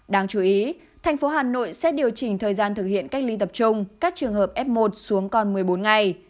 đáng chú ý thành phố hà nội sẽ điều chỉnh thời gian thực hiện cách ly tập trung các trường hợp f một xuống còn một mươi bốn ngày